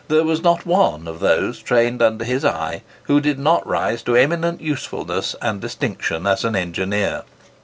There was not one of those trained under his eye who did not rise to eminent usefulness and distinction as an engineer.